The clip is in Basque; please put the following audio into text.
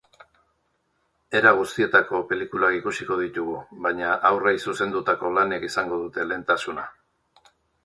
Era guztietako pelikulak ikusiko ditugu, baina haurrei zuzendutako lanek izango dute lehentasuna.